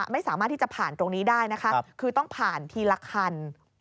ไม่สามารถที่จะผ่านตรงนี้ได้นะคะคือต้องผ่านทีละคัน